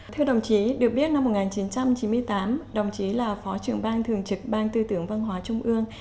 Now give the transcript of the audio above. thưa đồng chí được biết năm một nghìn chín trăm chín mươi tám đồng chí là phó trưởng ban thường trực ban tư tưởng văn hóa trung ương